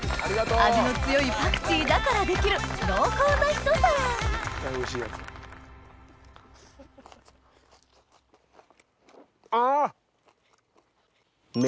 味の強いパクチーだからできる濃厚なひと皿あ！